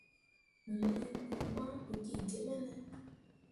Mo lii kpu ma ɗokki ge mene ?